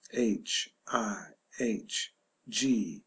h. i. h. g.